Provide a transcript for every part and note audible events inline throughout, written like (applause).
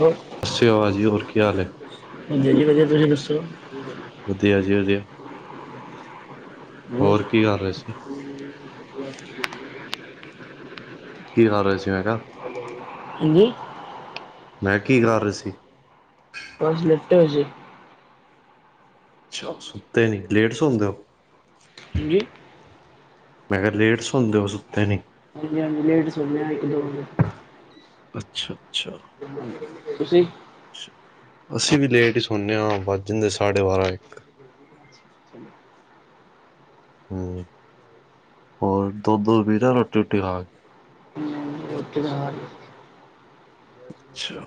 ਹੋਰ ਸਤਿ ਸ੍ਰੀ ਅਕਾਲ ਭਾਜੀ ਔਰ ਕੀ ਹਾਲ ਹੈ। ਮੈਂ ਜੀ ਵਧੀਆ ਤੁਸੀਂ ਦੱਸੋ ਵਧੀਆ ਜੇ ਵਧੀਆ ਹੋਰ। ਕੀ ਕਰ ਰਹੇ ਸੀ (inaudible) ਕੀ ਕਰ ਰਹੇ ਸੀ ਮੈਂ ਕਿਹਾ? ਹਾਂਜੀ। ਮੈਂ ਕੀ ਕਰੇ ਰਿਹਾ ਸੀ। (inaudible) ਅੱਛਾ ਸੁੱਤੇ ਨੀ ਲੇਟ ਸੌਦੇ ਹੋ ਹਾਂਜੀ ਮੈਂ ਕਿਹਾ ਲੇਟ ਸੌਂਦੇ ਓ ਸੁੱਟੇ ਨਹੀਂ ਹਾਂਜੀ ਹਾਂਜੀ ਲੇਟ ਅੱਛਾ ਅੱਛਾ ਤੁਸੀਂ ਅੱਛਾ, ਅਸੀਂ ਵੀ ਲੇਟ ਹੀ ਸੌਂਦੇ ਹਾਂ ਵੱਜ ਜਾਂਦੇ ਸਾਡੇ ਬਾਰਾਂ ਇੱਕ ਚ ਹੂੰ ਹੋਰ ਦੋ ਦੋ ਰੁਪੀਜ਼ਾਂ ਰੋਟੀ ਰੋਟੀ ਖਾ ਕੇ (inaudible) ਅੱਛਾ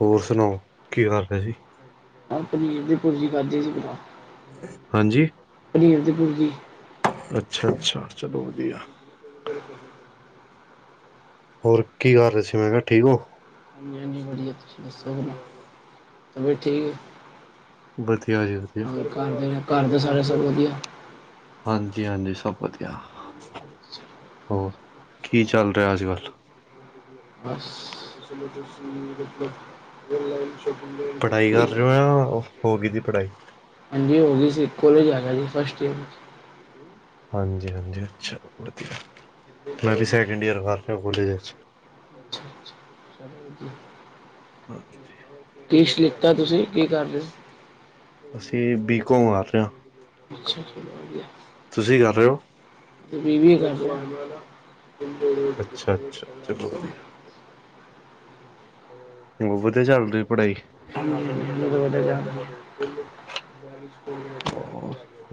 ਹੋਰ ਸੁਣਾਓ ਕੀ ਕਰ ਰਿਹੇ ਜੀ ਮੈਂ ਪਨੀਰ ਦੀ ਪੁਰਜੀ ਖਾਦੀ ਸੀ ਭਰਾ ਹਾਂਜੀ ਪਨੀਰ ਦੀ ਪੁਜੀ ਅੱਛਾ ਅੱਛਾ ਚਲੋ ਵਧੀਆ ਬਕ ਹੋਰ ਕੀ ਕਰ ਰਹੇ ਸੀ ਮੈਂ ਕਿਹਾ ਠੀਕ ਹੋ ਬੜੀ ਠੀਕ ਵਧੀਆ ਜੀ ਵਧੀਆ ਹੋਰ ਘਰ ਦੇ ਘਰ ਦੇ ਸਾਰੇ ਸਭ ਵਧੀਆ ਹਾਂਜੀ ਹਾਂਜੀ ਸਭ ਵਧੀਆ ਹੋਰ ਕੀ ਚੱਲ ਰਿਹਾ ਅੱਜ ਕੱਲ੍ਹ ਬਸ ਪੜ੍ਹਾਈ ਕਰ ਰਹੇ ਹੋ ਜਾਂ ਹੋ ਗਈ ਦੀ ਪੜ੍ਹਾਈ ਹਾਂਜੀ ਹੋ ਗਈ ਕੋਲੇਜ ਆ ਗਿਆ ਜੀ ਫਸਟ ਯੀਅਰ ਹਾਂਜੀ ਹਾਂਜੀ ਅੱਛਾ ਵਧੀਆ ਮੈਂ ਵੀ ਸੈਕਿੰਡ ਈਅਰ ਕਰ ਰਿਹਾ ਕੋਲੇਜ ਵਿੱਚ (inaudible) ਹਾਂਜੀ ਕਿਸ਼ ਕਿਤਾ ਤੁਸੀਂ ਕੀ ਕਰ ਰਹੀਓ ਅਸੀਂ ਬੀ ਕੌਮ ਕਰ ਰਹੇ ਆ ਅੱਛਾ ਤੁਸੀਂ ਕਰ ਰਹੇ ਹੋ ਬੀ ਬੀ ਕਰ ਰਹਾ ਅੱਛਾ ਅੱਛਾ ਚਲੋ (unintelligible) ਵਧੀਆ ਹੋਰ ਵਧੀਆ ਚੱਲ ਰਹੀ ਪੜ੍ਹਾਈ ਹਾਂ ਜੀ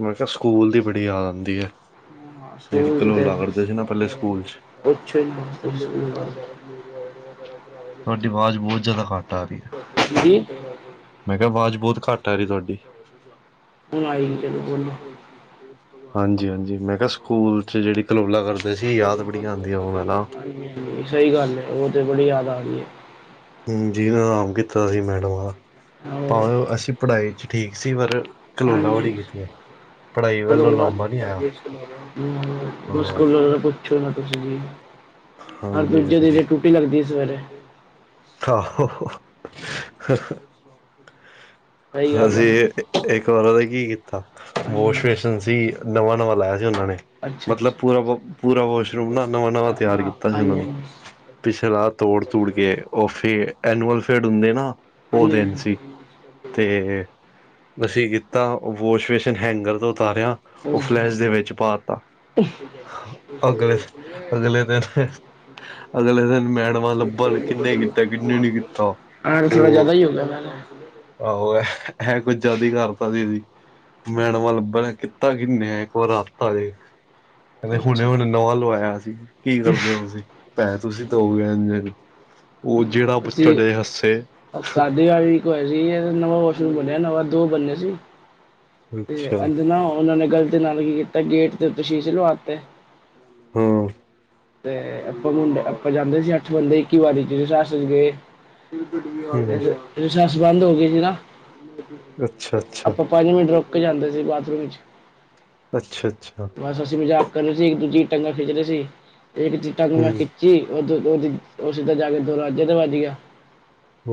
ਮੈਂ ਕਿਹਾ ਸਕੂਲ ਦੀ (inaudible) ਬੜੀ ਯਾਦ ਆਉਂਦੀ ਹੈ ਜਿਹੜੀ ਕਲੋਲਾ ਕਰਦੇ ਸੀ ਨਾ ਪਹਿਲੇ ਸਕੂਲ ਚ (inaudible) ਤੁਹਾਡੀ ਆਵਾਜ਼ ਬਹੁਤ ਜਿਆਦਾ ਘੱਟ ਆ ਰਹੀ ਹੈ ਹਾਂਜੀ ਮੈਂ ਕਿਹਾ ਆਵਾਜ਼ ਬਹੁਤ ਘੱਟ ਘਰੇ ਤੁਹਾਡੀ ਹੁਣ ਆਈ ਨੀ ਚੱਲੋ ਬੋਲੋ ਹਾਂਜੀ ਹਾਂਜੀ ਮੈਂ ਕਿਹਾ ਸਕੂਲ ਚ ਜਿਹੜੀ ਕਲੋਲਾ ਕਰ ਹਾਂ ਹਾਂ ਸਹੀ ਗੱਲ ਉਹ ਤੇ ਬੜੀ ਯਾਦ ਆ ਗਹੀ ਹੈ ਹ ਜਿਹਨ ਆਰਾਮ ਕੀਤਾ ਸੀ ਮੈਡਮ ਦਾ ਹੋਰ ਭਾਵੇਂ ਅਸੀਂ ਪੜ੍ਹਾਈ ਚ ਠੀਕ ਸੀ ਪਰ ਕਲੋਲਾ ਹਾਂਜੀ ਬੜੀ ਹਾਂਜੀ ਕੀਤੀਆਂ (unintelligible) ਹਾਂ ਹਰ ਹਾਂਜੀ ਦੂਜੇ ਹਾਂਜੀ। ਦਿਨੇ ਟੁਟੀ ਲੱਗਦੀ ਸਵੇਰੇ ਆਹੋ ਸਹੀ ਗੱਲ ਹੈ ਨਾ ਅਸੀਂ ਇੱਕ ਵਾਰ ਉਹਦਾ ਕੀ ਕੀਤਾ ਹਾਂਜੀ ਹਾਂਜੀ ਵੋਸ਼ ਬੇਸਨ ਸੀ ਨਵਾਂ ਨਵਾਂ ਹੁੰਨਾਂ ਨੇ ਅੱਛਾ ਮਤਲਬ ਅੱਛਾ ਪੂਰਾ ਪੂਰਾ ਵਾਸ਼ਰੂਮ ਨਾ ਨਵਾਂ ਨਵਾਂ ਤਿਆਰ ਹਾਂ ਕੀਤਾ ਸੀ ਉਹਨਾਂ ਹਾਂਜੀ ਨੇ ਹਾਂਜੀ ਪਿੱਛੇ ਰ ਤੋੜ ਤੁੜ ਕੇ ਐਨੂਲ ਫੇਡ ਹੁੰਦੇ ਨਾ ਉਹ ਹਾਂਜੀ ਦਿਨ ਸੀ ਤੇ ਅਸੀਂ ਤਾ ਵਾਸ਼ ਵੇਸ਼ਨ ਹੈਂਗਰ ਤੋਂ ਉਤਾਰਿਆ ਉਹ ਹਾਂਜੀ ਫਲੈਸ਼ ਦੇ ਵਿੱਚ ਪਾ ਤਾ ਅਗਲੇ ਅਗਲੇ ਦਿਨ ਅਗਲੇ ਦਿਨ ਮੈਡਮਾਂ ਲੱਭਣ ਕਿਨੇ ਕੀਤਾ ਕਿੰਨੇ ਨੀ ਕੀਤਾ ਆਹ ਥੋੜਾ ਉਹ ਜ਼ਿਆਦਾ ਹੀ ਹੋ ਗਿਆ ਮੈਂ ਆਹੋ ਇਹ ਕੁੱਛ ਜਾਦਾ ਹੀ ਕਰਤਾ ਸੀ ਮੈਡਮਾ ਲੱਭਣ ਕਿੱ ਕੀਤਾ ਕਿੰਨੇ ਇੱਕ ਵਾਰ ਆਪ ਤਾਂ ਵੇਖ ਕਹਿੰਦੇ ਹੁਣੇ ਅੱਛਾ ਹੁਣੇ ਨਵਾਂ ਲਵਾਇਆ ਸੀ ਕੀ ਕਰਦੇ ਹੋ ਤੁਸੀਂ ਪੈਸੇ ਤੁਸੀਂ ਦਓਗੇ ਐਨੇ ਅਸੀਂ ਸਾਢੇ ਕੋ ਆਏ ਤੇ ਸੀ ਨਵਾਂ ਵਾਸ਼ਰੂਮ ਬਣਿਆ ਵ ਦੋ ਬੰਨੇ ਸੀ ਤੇ ਅੱਛਾ ਅੰਦਰ ਨਾ ਉਹਨਾਂ ਨੇ ਗਲਤੀ ਨਾਲ ਕੀ ਕੀਤਾ ਗੇਟ ਤੇ ਉਤੇ ਸ਼ੀਸ਼ੇ ਲਵਾਤੇ ਹਾਂ ਤੇ ਆਪਾਂ ਮੁੰਡੇ ਆਪਾਂ ਜਾਂਦੇ ਸੀ ਅੱਠ ਬੰਦੇ ਇੱਕੀ ਵਾਰੀ ਜਿ ਸਸ ਚ ਗਏ ਹੂੰ ਸੱਸ ਬੰਦ ਹੋ ਗਈ ਸੀੀ ਨਾ ਅੱਛਾ ਅੱਛਾ ਆਪਾਂ ਪੰਜ ਮਿੰਟ ਰੋ ਰੱਕ ਜਾਂਦੇ ਸੀ ਬਾਥਰੂਮ ਵਿੱਚ ਅੱਛਾ ਅੱਛਾ ਬਸ ਅਸੀਂ ਮਜ਼ਾਕ ਕਰ ਰਹੇ ਸੀ ਇੱਕ ਦੂਜੀ ਟੰਗ ਖਿੱਚ ਰਹੇ ਸੀ ਇੱਕ ਟੰਗ ਮੈਂ ਹੂੰ ਖਿੱਚੀ ਉਹ ਸਿੱਦਾਂ ਜਾ ਕੇ ਦੋ ਰਾਜੇ ਤੇ ਵੱਜ ਗਿਆ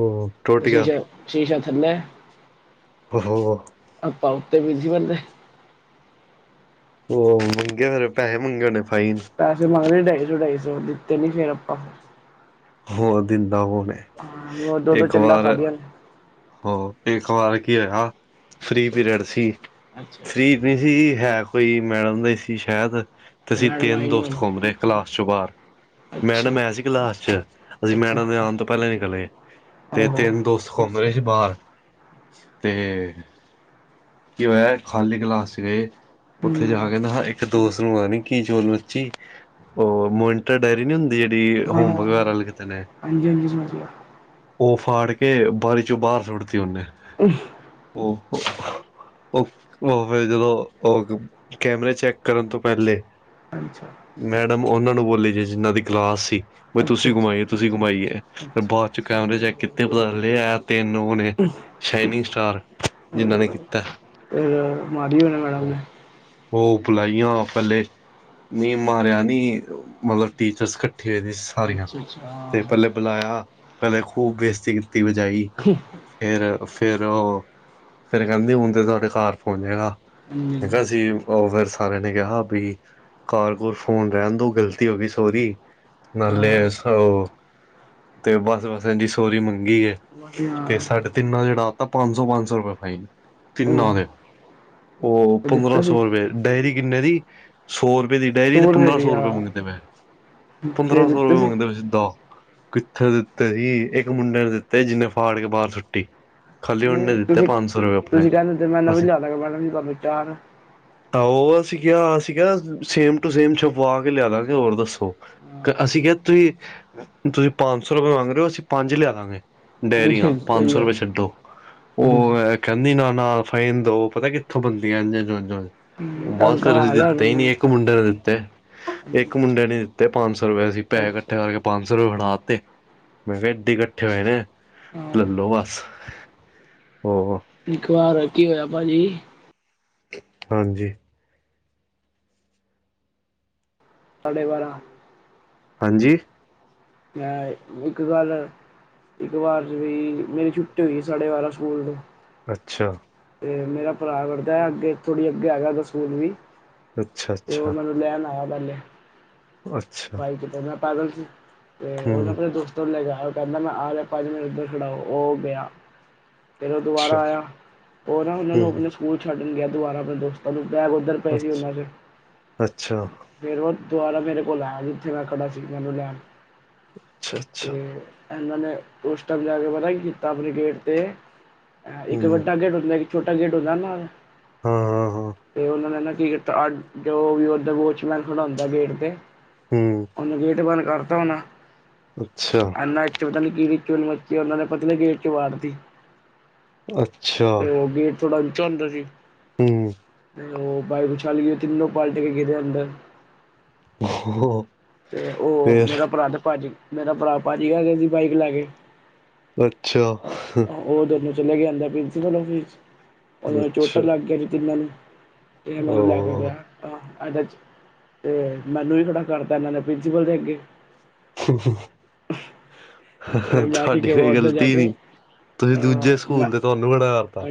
ਉਹ ਟੁੱਟ ਗਿਆ ਸ਼ੀਸ਼ਾ ਸ਼ੀਸ਼ਾ ਸਮੈ (unintelligible) ਤੇ ਬਜੀੀ ਬਣਦੇ ਉਹ ਮੰਗੇਿਆ ਫੇਰੇ ਪੈਸੇ ਮੰਗੇ ਹੋਣੇ ਫਾਈਨ ਪੈਸੇ ਮੰਗਦੇ ਢਾਈ ਸੌ ਢਾਈ ਸੌ ਦਿੱਤੇ ਨੀ ਫੇਰ ਆਪਾਂ ਹੋਰ ਦਿੰਦਾ ਕੋਣ ਏ, ਹਾਂ ਉਹ ਦੋ ਦੋ ਇੱਕ ਚੰਡਾ ਵਾਰ ਖਾਦੀਆਂ ਨੇ ਹੋ ਇੱਕ ਵਾਰ ਕੀ ਹੋਇਆ ਫ੍ਰਰੀ ਅੱਛਾ ਪੀਰੀਅਡ ਸੀ ਅੱਛਾ ਫ੍ਰੀ ਨਹੀਂ ਸੀ ਹੈ ਕੋਈ ਮੈਡਮ ਦਾ ਹੀ ਸੀ ਸ਼ਾਇਦ ਤੇ ਅੱਛਾ ਅਸੀਂ ਮੈਡਮ ਤਿੰਨ ਆਈ ਨਹੀਂ ਦੋਸਤ ਹੁਣ ਘੁੰਮ ਰਹੇ ਕਲਾਸ ਚੋਂ ਬਾਹਰ ਅੱਛਾ ਮੈਡਮ ਹੈ ਸੀ ਕਲਾਸ ਚ ਅਸੀਂ ਅੱਛਾ ਮੈਡਮ ਦੇ ਅੱਛਾ ਆਉਣ ਤੋਂ ਪਹਿਲਾਂ ਨਿਕਲੇ ਤੇ ਆਹੋ ਤਿੰਨ ਦੋਸਤ ਘੁੰਮ ਰਹੇ ਸੀ ਬਾਹਰ ਤੇ ਕੀ ਹੋਇਆ ਖਾਲੀ ਕਲਾਸ ਚ ਗਏ ਉੱਥੇ ਹੂੰ ਜਾ ਕੇ ਨ ਇੱਕ ਦੋਸਤ ਨੂੰ ਪਤਾ ਨੀ ਕੀ ਚੋਲ ਮੱਚੀ ਉਹ ਮੋਇੰਟਰ ਡਾਇਰੀ ਨੀ ਹੁੰਦੀ ਜਿਹੜੀ ਹਾਂ ਹੋਮ ਵਗੈਰਾ ਲਈ ਹਾਂਜੀ (unintelligible) ਉਹ ਫਾੜ ਕੇ ਬਾਰੀ ਚੋਂ ਬਾਹਰ ਸੁੱਟਤੀ ਉਹਨੇ ਅਮ (unintelligible) ੋ (inaudible) ਓਹ ਫੇਰ ਜਦੋਂ ਕੈਮਰੇ ਚੈੱਕ ਕਰਨ ਤੋਂ ਪਹਿਲੇ ਅੱਛਾ ਮੈਡਮ ਉਹਨਾਂ ਨੂੰ ਬੋਲੇ ਜੇ ਜਿਨਾਂ ਦੀ ਕਲਾਸ ਸੀ ਬ ਅੱਛਾ ਤੁਸੀਂ ਗੁਮਾਈ ਏ ਅੱਛਾ ਤੁਸੀਂ ਗੁਮਾਈਏ ਫ ਅੱਛਾ ਬਾਅਦ ਚੋਂ ਕੈਮਰੇ ਚੈੱਕ ਕੀਤੇ ਪਤਾ ਚ ਲਿਆ ਤਿੰਨ ਉਹ ਨੇ ਸ਼ਾਈਨਿੰਗ ਸਟਾਰ ਜਿੰਨਾਂ ਨੇ ਕੀਤਾ ਅ ਮਾਰੀ ਹੋਣੀ ਮੈਡਮ ਉਹ ਨੇ ਉਹ ਬੁਲਾਈਆਂ ਪਹਿਲੇ ਨੀ ਮਾਰਿਆ ਨੀ ਮਤਲਬ ਟੀਚਰਸ ਪੁਠੀਈ ਸੀ ਸਾਰੀਆਂ ਅੱਛਾ ਅੱਛਾ ਹਾਂ ਤੇ ਪਹਿਲੇ ਬੁਲਾਇਆ ਪਹਿਲੇ ਖੂਬ ਬੇਸਤੀ ਕੀਤੀ ਦੀ ਬਜਾਈ ਫੇਰ ਫੇਰ ਉਹ ਫੇਰ ਕਹਿੰਦੀ ਹੁਣ ਤਾਂ ਤੁਹਾਡੇ ਘਰ ਪਹੁੰਚੇਗਾ ਹਾਂਜੀ ਮੈ ਕਿਹਾ ਅਸੀ ਉਹ ਫਿਰ ਸਾਰਿਆਂ ਨੇ ਕਿਹਾ ਬੀ ਘਰ ਘੁਰ ਫੋਨ ਰਹਿਣ ਦੋ ਗ਼ਲਤੀ ਹੋ ਗਈ ਸੋਰੀ ਨਾਲੇ ਹਾਂ ਉਹ ਤੇ ਬਸ ਬਸ ਇੰਝੀ ਸੋਹਰੀ ਮੰਗੀ ੰਗੀ ਹੈ ਅਸੀਂ ਹਾਂ ਤੇ ਸਾਡੇ ਤਿੰਨਾ ਜਿਹੜਾ ਪੰਜ ਸੌ ਪੰਜ ਸੌ ਰੁਪਏ ਫਾਈਨ ਉਹ ਤਿੰਨਾਂ ਦੇ ਓ ਤੇ ਪੰਦਰਾਂ ਦਿੱਤਾ ਸੀ ਸੌ ਰੁਪਏ ਡੇਅਰੀ ਕਿੰਨੇ ਦੀ ਸੌ - ਦੀ ਡੇਅਰੀ ਸੌ ਤੇ ਪੰਦਰਾਂ ਦੀ ਸੌ ਰੁਪਏ ਹਾਂ ਮੰਗਦੇ ਪਏ। ਤੇ ਪੰਦਰਾਂ ਸੌ ਦਿੱਤੇ ਰੁਪਏ ਸੀ ਮੰਗਦੇ ਪਏ ਸਿੱਧਾ। ਕਿੱਥੇ ਦਿੱਤੇ ਹੀ। ਇੱਕ ਮੁੰਡੇ ਨੇ ਦਿੱਤੇ ਜਿਨੇ ਫਾੜ ਕੇ ਬਾਰ ਸੁੱਟੀ। ਖਾਲੀ ਉਹਨੇ ਨਹੀਂ ਦਿੱਤੇ ਤੁਸੀਂ ਪੰਜ ਸੌ ਰੁਪਏ ਆਪਣੇ ਤੁਸੀਂ ਕੇਂਦੇ ਦੇ ਮੈਂ ਨਵੀ ਬਸ ਲਿਆ ਦਾਗਾਂ। ਮੈਡਮ ਜੀ ਤਾਨੂੰ ਚਾ ਨਾ- ਆਹੋ ਅਸੀ ਕਿਆ-ਅਸੀ ਕਿਆ ਸੇਮ ਟੂ ਸੇਮ ਛਪਵਾ ਕੇ ਲਿਆ ਦਾਂਗੇ ਹੋਰ ਦੱਸੋ। ਹਾਂ ਅਸੀਂ ਕਿਆ ਤੁਹੀਂ ਤੁਹੀਂ ਪੰਜ ਸੌ ਰੁਪਿਆ ਮੰਗ ਰੇ ਓ। ਅਸੀਂ ਪੰਜ ਲਿਆ ਦਾਂਗੇ। ਹਾਂਜੀ ਡੇਅਰੀਆਂ ਪੰਜ ਸਹੀ ਸੌ ਗੱਲ ਰੁਪਏ ਛੱਡੋ। ਓਹ ਕੇਂਦੀ ਨਾਲ- ਨਾਲ ਫਰੇਮ ਦੋ ਪਤਾ ਕਿੱਥੋਂ ਬੰਦੀਆਂ ਇੰਝ -ਇੰਝ ਓਂਜ-ਓਂਜ। ਹਮ, ਬਸ ਤੰਗ ਅਸੀ ਫੇਰ ਕਮਾਇਆ ਦਿੱਤੇ ਈ ਨੀ ਉਹਨੂੰ ਇੱਕ ਮੁੰਡੇ ਨੇ ਦਿੱਤੇ। ਵੀ ਇੱਕ ਮੁੰਡੇ ਨੇ ਦਿੱ ਤੇ ਪੰਜ ਸੌ ਰੁਪਏ ਸੀ ਅਸੀ ਪੈਹੇ ਅੱਛਾ ਕੱਠੇ ਕਰਕੇ ਪੰਜ ਸੌ ਰੁਪਏ ਫੜਾ ਤੇ। ਮੈਂ ਕਿਆ ਏਡੇ ਈ ਕੱਠੇ ਹੋਏ ਨੇ। ਹਾਂ ਲਲੋ ਬਸ- ਉਹ ਇੱਕ ਵਾਰ ਕੀ ਹੋਇਆ ਭਾਜੀ- ਹਾਂਜੀ ਸਾਡੇ ਬਾਰਾਂ- ਹਾਂਜੀ ਅ ਇੱਕ ਗੱਲ- ਇੱਕ ਵਾਰ ਚ ਵੀ ਮੇਰੀ ਛੁੱਟੀ ਹੋਈ ਸਾਡੇ ਬਾਰਾਂ ਸਕੂਲ ਤੋਂ। ਅੱਛਾ ਅਤੇ ਮੇਰਾ ਭਰਾ ਵੜਦਾ ਐ ਅੱਗੇ ਥੋੜ੍ਹੀ ਅੱਗੇ ਹੈਗਾ ਓਦਾ ਸਕੂਲ ਵੀ। ਅੱਛਾ ਉਹ ਅੱਛਾ ਮੈਨੂੰ ਲੈਣ ਆਇਆ ਪੈਲੇ। ਅੱਛਾ ਬਾਈਕ ਤੇ ਮੈਂ ਪੈਦਲ ਸੀ। ਤੇ ਓ ਨਾ ਹਮ ਆਪਣੇ ਦੋਸਤਾਂ ਨੂੰ ਲੈ ਗਿਆ। ਓ ਕੇਂਦਾ ਮੈਂ ਆ ਰਿਆ ਪੰਜ ਮਿੰਟ ਓਧਰ ਖੜਾ ਓ ਓ ਗਿਆ। ਫੇਰ ਓ ਅੱਛਾ ਦੁਬਾਰਾ ਆਇਆ ਓਨਾ ਉਨਾਂ ਨੂੰ ਹਮ ਆਪਣੇ ਸਕੂਲ ਛੱਡਣ ਗਿਆ ਦੁਬਾਰਾ ਆਪਣੇ ਦੋਸਤਾਂ ਨੂੰ। ਬੈਗ ਓਧਰ ਪਏ ਸੀ ਅੱਛਾ ਉਨਾਂ ਦੇ। ਅੱਛਾ ਫੇਰ ਓ ਦੁਬਾਰਾ ਮੇਰੇ- ਕੋਲ ਆਇਆ। ਜਿੱਥੇ ਮੈਂ ਖੜਾ ਸੀ ਮੈਨੂੰ ਲੈਣ। ਅੱਛਾ ਅੱਛਾ ਇਨਾਂ ਨੇ ਓਸ ਟੈਮ ਜਾ ਕੇ ਪਤਾ ਕੀ ਕੀਤਾ ਆਪਣੇ ਗੇਟ ਤੇ। ਇੱਕ ਹਮ ਵੱਡਾ ਗੇਟ ਹੁੰਦਾ- ਛੋਟਾ ਗੇਟ ਹੁੰਦਾ ਨਾ। ਹਾਂ ਹਾਂ ਹਾਂ ਫੇਰ ਉਨਾਂ ਨੇ ਨਾ- ਕੀ ਕੀਤਾ ਜੋ ਵੀ ਓਧਰ ਵੋਚਮੈਨ ਖੜਾ ਹੁੰਦਾ ਗੇਟ ਤੇ। ਹਮ ਓਨੇ ਗੇਟ ਬੰਦ- ਕਰਤਾ ਹੋਣਾ। ਅੱਛਾ ਇਨਾ 'ਚ ਪਤਾ ਨੀ ਕੀ- ਚੁਲ ਮੱਚੀ। ਉਨਾਂ ਦੇ ਪਤਲੇ ਗੇਟ 'ਚ ਵਾੜਤੀ। ਅੱਛਾ ਤੇ ਉਹ ਗੇਟ ਥੋੜਾ ਉਂਚਾ ਹੁੰਦਾ ਸੀ। ਹੂੰ ਓ ਬਾਈਕ ਓਛਾਲੀ ਗਈ ਤਿੰਨੋ ਪਾਲਟ ਕੇ ਗਿਰੇ ਅੰਦਰ। ਤੇ ਉਹ ਫੇਰ ਮੇਰਾ ਭਰਾ ਤੇ ਮੇਰਾ ਭਰਾ ਭਜ ਗਿਆ ਅਗਲੇ ਦੀ ਬਾਈਕ ਲੈ ਕੇ। ਅੱਛਾ ਹਾ ਉਹ ਦੋਨੋਂ ਚਲੇ ਗਿਆ ਅੰਦਰ ਪ੍ਰਿੰਸੀਪਲ ਓਫਿਸ 'ਚ ਓਨਾ ਨੂੰ ਚੋਟਾਂ ਅੱਛਾ ਲੱਗ ਗਿਆ ਤਿੰਨਾਂ ਨੂੰ। ਏ ਮੈਨੂੰ ਲੈ ਕੇ ਉਹ ਗਿਆ ਆਹ ਏਡੇ' ਚ ਤੇ- ਮੈਨੂੰ ਵੀ ਖੜਾ ਕਰਤਾ ਇਨਾਂ ਨੇ ਪ੍ਰਿੰਸੀਪਲ ਦੇ ਅੱਗੇ। ਹਾ ਹਾ ਮੈਂ ਕੀ ਕਿਵਾ ਓਧਰ ਜਾ ਕੇ। ਤੁਸੀਂ ਆ ਦੂਜੇ ਮੈ ਸਕੂਲ ਦੇ ਤੁਹਾਨੂੰ ਖੜਾ ਕਰਤਾ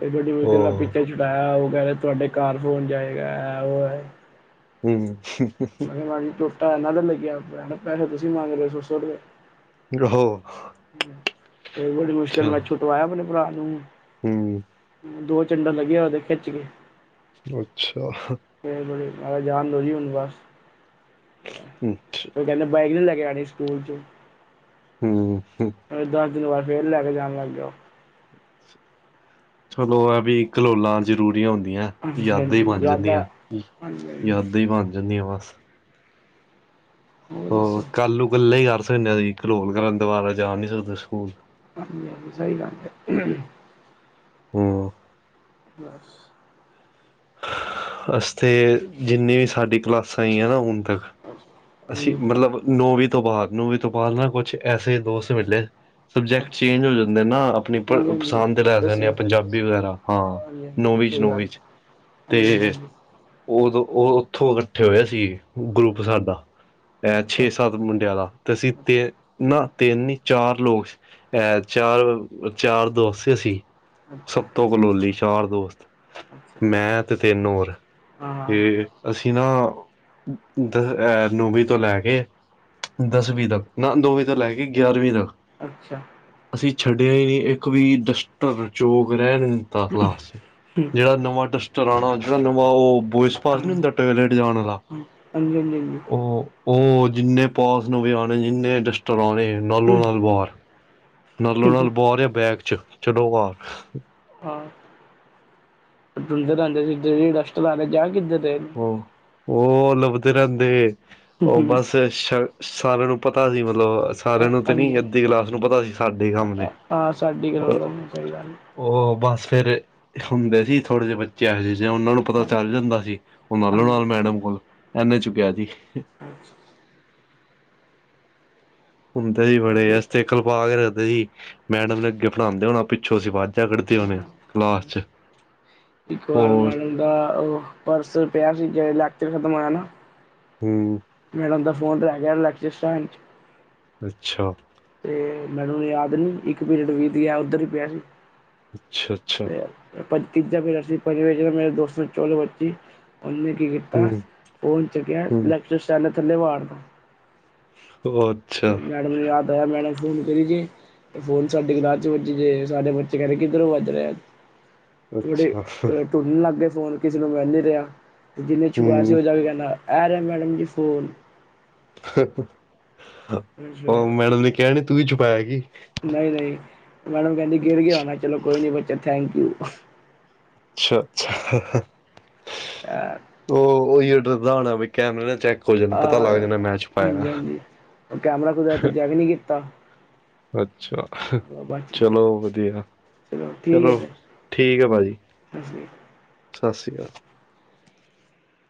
ਹਾਂ ਉਹ ਪਿੱਛੇ ਛੁਡਾਇਆ- ਕੈ ਰੀ ਤੁਆਡੇ ਘਾਰ ਫੋਨ ਜਾਏਗਾ ਐ ਓ ਐ ਹੂੰ ਮੈਂ ਕਿਆ ਮੈਮ ਜੀ ਚੋਟਾ ਇਨਾਂ ਦੇ ਲੱਗੀਆਂ। ਮੈ ਕਿਆ ਪੈਹੇ ਤੁਸੀਂ ਮੰਗ ਰੇ ਹੋ ਸੋ ਸੌ ਰੁਪਿਆ। ਗ ਹੋ ਤੇ ਬੜੀ ਮੁਸ਼ਕਲ ਮੈਂ ਛੁਟਵਾਇਆ ਆਪਣੇ ਭਰਾ ਨੂੰ। ਹੂੰ ਦੋ ਚਨਡਾ ਲੱਗਿਆ ਉਹਦੇ ਖਿੱਚ ਕੇ ਅੱਛਾ ਮਾਰ ਜਾਣ ਹੁਣ ਬਸ ਅੱਛਾ ਬਾਈਕ ਲ ਗਿਆਣੇ ਸਕੂਲ ਚ ਹਮ ਹਮ ਦਸ ਦਿਨ ਬਾਅਦ ਫਿਰਿ ਲੈ ਕੇ ਜਾਣ ਲੱਗ ਗ ਉਹ ਚਲੋ ਇਹ ਵੀ ਕਲੋਲਾਂ ਜ਼ਰੂਰੀ ਹੁੰਦੀ ਦੀਆਂ ਹਾਂਜੀ ਯਾਦਾਂ ਹੀ ਹਾਂਜੀ ਬਣ ਜ਼ਿਆਦਾ ਜਾਂਦੀਆਂ ਹਾਂਜੀ ਹਾਂਜੀ ਯਾਦਾਂ ਹੀ ਬਣ ਜਾਂਦੀਆਂ ਬਸ ਹੋਰ ਉਹ ਦੱਸੋ ਕੱਲ ਨੂੰ ਇਕੱਲਾ ਹੀ ਕਰ ਘਲੋਲ ਕਰਨ ਦੁਬਾਰਾ ਜਾ ਨੀ ਸਕਦੇ ਸਕੂਲ ਹਾਂਜੀ ਹਾਂਜੀ ਸਹੀ ਗੱਲ ਹੈ ਹਮ ਬਸ ਅਸ ਤੇ ਜਿੰਨੀ ਵੀ ਸਾਡੀ ਕਲਾਸਾਂ ਆਈਆਂ ਨਾ ਹੁਣ ਅਸੀ ਹਾਂਜੀ ਮਤਲਬ ਨੋ ਵਜੇ ਤੋਂ ਬਾਾਰ ਨੂੰ ਵੀ ਤਪਾਲ ਨਾ ਕੁਛ ਐਸੇ ਦੋਸਤ ਮਿਲੇ ਸਬਜੈਕਟ ਅੱਛਾ ਚੇਂਜ ਹੋ ਜਾਂਦੇ ਨਾ ਆਪਣੀ ਹਾਂਜੀ ਹਾਂਜੀ ਪਸੰਦ ਲੈ ਜਾਂਦੇ ਆ ਦੱਸਿਓ ਪੰਜਾਬੀ ਵਗੈਰਾ ਹਾਂ ਹਾਂਜੀ ਹਾਂਜੀ ਨੌਵੀਂ ਸਹੀ ਬਸ਼ਨੋ ਗੱਲ ਵਿੱਚ ਹਾਂਜੀ ਹਾਂਜੀ ਹਾਂਜੀ ਉਦੋਂ ਉਹ ਉੱਥੋਂ ਇਕੱਠੇ ਹੋਇਆ ਸੀ ਗਰੁੱਪ ਸਾਡਾ ਅਹ ਛੇ ਅੱਛਾ ਸੱਤ ਮੁੰਡਿਆਂ ਦਾ ਤੇ ਅਸੀਂ ਤੇ ਅੱਛਾ ਨਾ ਤਿੰਨ ਚਾਰ ਲੋਕ ਅਹ ਚਾਰ ਚਾਰ ਦੋਸਤ ਸੀ ਸਭ ਤੋਂ ਕਲੋਸੀ ਚਾਰ ਦੋਸਤ ਅੱਛਾ ਅੱਛਾ ਮੈਂ ਤੇ ਤਿੰਨ ਹੋਰ ਹਾਂ ਹਾਂ ਤੇ ਅਸੀਂ ਨਾ ਦਸ ਨੌਵੀਂ ਤੋਂ ਲੈ ਕੇ ਦਸਵੀਂ ਤੱਕ ਨਾ ਦੋ ਵਜੇ ਤੋਂ ਲੈ ਕੇ ਗਿਆਰਵੀਂ ਤੱਕ ਅੱਛਾ ਅਸੀਂ ਛੱਡਿਆ ਹੀ ਨਹੀਂ ਇੱਕ ਵੀ ਡਸਟਰ ਚੋਗ ਰਹਿਣ ਨ ਦਿੱਤਾ ਕਲਾਸ ਚ ਜਿਹੜਾ ਨਵਾਂ ਡਸਟਰ ਚਲਾਣਾ ਜਹਾਨੂੰ ਉਹ ਬੋਇਸ ਪਾਸ ਨੀ ਹਾਂਜੀ ਹੁੰਦਾ ਟੋਲੇਟ ਜਾਣ ਵਾਲ ਹਾਂਜੀ ਹਾਂਜੀ ਉਹ ਉਹ ਜਿੰਨੇ ਪਾਸ ਨੂੰਵੇ ਆਉਣੇ ਜਿੰਨੇ ਡਸਟਰ ਆਣੇ ਨਾਲੋਂ ਨਾਲ ਬਾਹਰ ਨਾਲੋ ਨਾਲ ਰਿਹਾ ਬੈਗ ਚ ਚਲੋ ਘ ਉਹ (inaudible) ਉਹ ਲੱਭਦੇ ਰਹਿੰਦੇ ਉਹ ਨੇ ਬਸ ਸਾਰਿਆਂ ਨੂੰ ਪਤਾ ਸੀ ਮਤਲਬ ਸਾਰਿਆਂ ਨੂੰ ਤੇ ਨੀ ਹਾਂਜੀ ਅੱਧੀ ਕਲਾਸ ਨੂੰ ਪਤਾ ਸੀ ਸਾਡੇ ਹੀ ਕੰਮ ਨੇ ਹਾਂ ਸਾਡੀ ਕਰੋ ਸਹੀ ਗੱਲ ਫ਼ੇਰ ਹੁੰਦੇ ਸੀ ਥੋੜੇ ਜਿਹੇ ਬੱਚੇ ਆ ਸੀ ਸੀ ਉਹਨਾ ਨੂੰ ਪਤਾ ਚੱਲ ਜਾਂਦਾ ਸੀ ਉਹ ਨਾਲੋਂ ਨਾਲ ਹਾਂਜੀ ਮੈਡਮ ਕੋਲ ਐਨੇ ਚੁੱਕਿਆ ਸੀ ਅੱਛਾ ਹੁੰਦੇ ਸੀ ਬੜੇ ਹਾਂਜੀ। ਇਸ ਤੇ ਕਲਪਾ ਕੇ ਰੱਖਦੇ ਸੀ ਮੈਡਮ ਵੀ ਅੱਗੇ ਪੜਾਂਦੇ ਹੋਣਾ ਪਿੱਛੋਂ ਸੀ ਵੱ ਤੇ (unintelligible) ਹੋਣੇ ਆ ਕਲਾਸ ਚ ਇੱਕ ਵਾਰ ਹੋਰ ਮੈ ਦਾ ਉਹ ਪਰਸ ਪਿਆ ਸੀ ਲੈਕਚਰ ਖਤਮ ਹੋਇਆ ਨਾ ਹਮ ਮਦਾ ਫੋਨ ਰਹਿ ਗਿਆ ਲੱਖ ਸਾਂ ਅੱਛਾ ਤੇ ਮੈਨੂੰ ਯਾਦ ਨੀ ਇੱਕ ਪੀਰੀਅਟ ਵੀਤ ਗਿਆ ਉੱਧਰ ਹੀ ਪਿਆ ਸੀ ਅੱਛਾ ਅੱਛਾ ਤੇ ਤੀਜਾ ਅਸੀਂ ਮੇਰੇ ਦੋਸਤ ਚੋਲੋ ਬੱਚੀ ਉਹਨੇ ਕੀ ਕੀਤਾ ਹੂੰ ਫੋਨ ਚੱਕਿਆ ਹੂੰ ਲੈੇ ਥੱਲੇ ਵਾਰਦਾ ਅੱਛਾ ਤਾਂ ਮੈਂਨ ਫੋਨ ਕਰੀ ਜ ਫੋਨ ਸਾਡੇ ਗਲਾ ਚ ਵੱਜ ਜਾੇ ਸਾਡੇ ਬੱਚੇ ਕਹਿੰਦੇ ਕਿੱਧਰੋਂ ਵੱਜ ਰਹੇ ੋੜੇ ਅੱਛਾ ਅ ਟੁਰਨਣ ਲੱਗਗੇ ਫ਼ੋਨ ਕਿਸੇ ਨੂੰ ਮਿਲ ਨਹੀਂ ਰਿਹਾ ਅਤੇ ਜਿੰਨੇ ਛੁਕਆ ਸੀ ਹੂੰ ਹੋ ਜਾ ਕੇ ਕਹਿੰਦਾ ਇਹ ਰਿਹਾ ਮੈਡਮ ਜੀ ਫੋਨ ਉਹ ਫੇਰ ਮੈਡਮ ਨੇ ਕਿਹਾ ਨ ਤੂੰ ਹੀ ਛੁਪਾਇਆਗੀ ਨਹੀਂ ਨਹੀਂ ਮੈਡਮ ਕਹਿੰਦੀ ਗਿਰ ਗਿਆ ਹੋਣਾ ਚਲੋ ਕੋਈ ਨੀ ਬੱਚਾ ਥੈਂਕ ਯੂ ਅੱਛਾ ਅੱਛਾ ਅ ਉਹ ਉਹੀ ਡਰਦਾ ਹੋਣਾ ਬਈ ਕੈਮਰੇ ਦਾ ਚੈੱਕ ਕੁ ਜਾਨ ਪਤਾ ਲੱਗ ਜਾਦਾ ਮੈ ਚ ਪਾਇਆ ਹਾਂਜੀ ਹਾਂਜੀ ਕੈਮਰਾ ਕੁਦਰਤੀ ਚੈੱਕ ਨਹੀਂ ਕੀਤਾ। ਅੱਛਾ ਬਚ ਗਿਆ। ਚਲੋ ਵਧੀਆ ਠੀਕ ਹੈ ਚਲੋ ਫਿਰ ਠੀਕ ਹੈ ਭਾਜੀ ਸਤਿ ਸ਼੍ਰੀ ਅਕਾਲ। ਸਤਿ ਸ਼੍ਰੀ ਅਕਾਲ